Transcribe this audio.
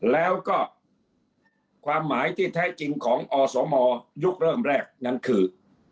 แล้วก็ความหมายที่แท้จริงของอสมยุคเริ่มแรกนั้นคือ